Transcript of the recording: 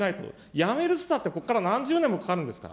やめるっていったって、ここから何十年もかかるんですから。